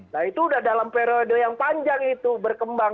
nah itu udah dalam periode yang panjang itu berkembang